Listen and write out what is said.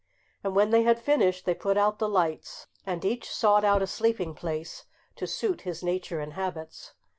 And when they had finished they put out the lights, and each sought out a sleeping place to suit his nature and habits.